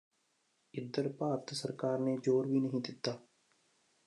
ਇੱਧਰ ਭਾਰਤ ਸਰਕਾਰ ਨੇ ਜ਼ੋਰ ਵੀ ਨਹੀਂ ਦਿੱਤਾ